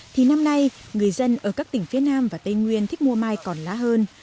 thì năm nay người dân ở các tỉnh phía nam và tây nguyên thích mua mai còn lá hơn